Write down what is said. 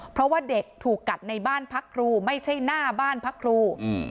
เพราะว่าเด็กถูกกัดในบ้านพักครูไม่ใช่หน้าบ้านพักครู